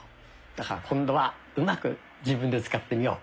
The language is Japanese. だから今度はうまく自分で使ってみよう。